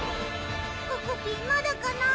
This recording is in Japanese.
ここぴーまだかな？